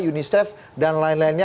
unicef dan lain lainnya